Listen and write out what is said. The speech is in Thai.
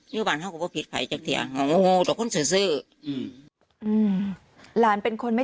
แล้วก็ไม่เคยทาเรากะ